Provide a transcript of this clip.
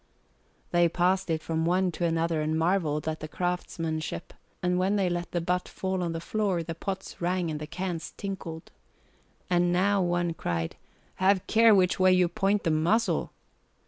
They passed it from one to another and marvelled at the craftsmanship, and when they let the butt fall on the floor, the pots rang and the cans tinkled. And now one cried, "Have care which way you point the muzzle."